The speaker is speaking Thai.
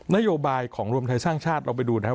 นโยบายของรวมไทยสร้างชาติลองไปดูนะครับ